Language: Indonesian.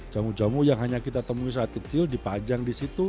jamu jamu yang hanya kita temui saat kecil dipajang di situ